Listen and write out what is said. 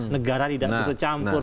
negara tidak tercampur